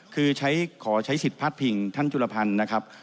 คือขอใช้สิทธิ์พลาดพิงท่านจุลพันธ์นะครับ